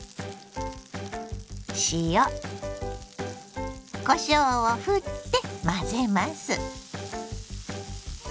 塩こしょうをふって混ぜます。